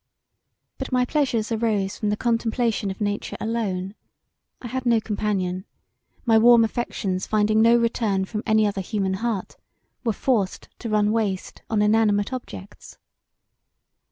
But my pleasures arose from the contemplation of nature alone, I had no companion: my warm affections finding no return from any other human heart were forced to run waste on inanimate objects.